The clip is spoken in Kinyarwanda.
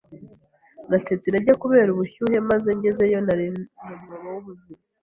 Nacitse intege kubera ubushyuhe, maze ngezeyo, nari mu mwobo w'ubuzima.